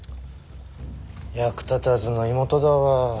役立たずな妹だわ。